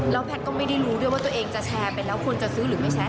แพทย์ก็ไม่ได้รู้ด้วยว่าตัวเองจะแชร์ไปแล้วควรจะซื้อหรือไม่แชร์